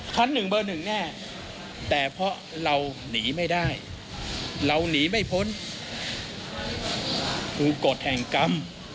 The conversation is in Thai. ชั้นหนึ่งเบอร์หนึ่งแน่แต่เพราะเราหนีไม่ได้เราหนีไม่พ้นคือกฎแห่งกรรม